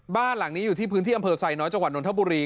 บ้านหลังนี้อยู่ที่พื้นที่อำเภอไซน้อยจังหวัดนทบุรี